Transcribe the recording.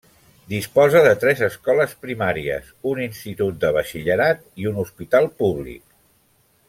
Disposa de tres escoles primàries, un institut de batxillerat i un hospital públic.